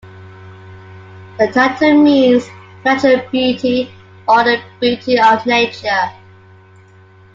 The title means "natural beauty" or "the beauty of nature".